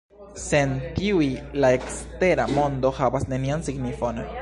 Sen tiuj, la ekstera mondo havas nenian signifon.